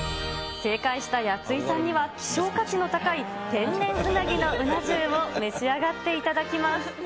正解したやついさんには、希少価値の高い天然うなぎのうな重を召し上がっていただきます。